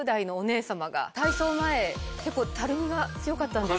体操前結構たるみが強かったんです。